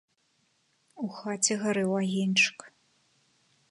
У хаце гарэў агеньчык.